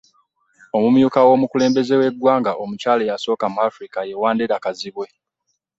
Omumyuka w'omukulembeze w'eggwanga omukyala eyasooka mu Africa ye Wandera Kazibwe.